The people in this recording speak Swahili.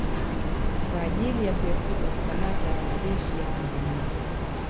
Kwa ajili ya kuepuka kukamatwa na majeshi ya Tanzania